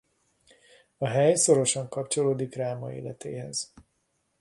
A hely szorosan kapcsolódik Ráma életéhez.